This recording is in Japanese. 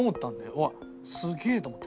うわっすげえと思って。